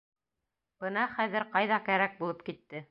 Бына хәҙер ҡайҙа кәрәк булып китте.